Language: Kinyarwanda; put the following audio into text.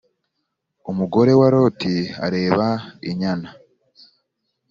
umugore wa loti areba inyana